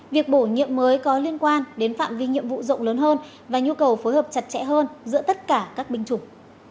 việc bổ nhiệm mới có liên quan đến phạm vi nhiệm vụ rộng lớn hơn và nhu cầu phối hợp chặt chẽ hơn giữa tất cả các binh chủng